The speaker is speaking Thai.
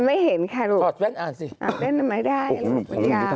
ไม่เห็นค่ะลูก